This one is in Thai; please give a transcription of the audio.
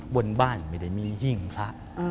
บนบ้านไม่ได้มีหิ้งพระ